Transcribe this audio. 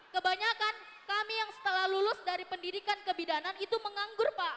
kebanyakan kami yang setelah lulus dari pendidikan kebidanan itu menganggur pak